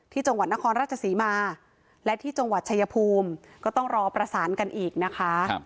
จังหวัดนครราชศรีมาและที่จังหวัดชายภูมิก็ต้องรอประสานกันอีกนะคะ